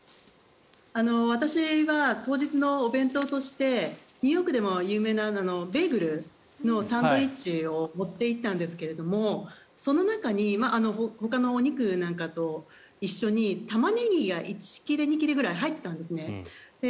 私は当日のお弁当としてニューヨークでも有名なベーグルのサンドイッチを持って行ったんですがその中にほかのお肉なんかと一緒にタマネギが１切れ、２切れ入っていたんですね。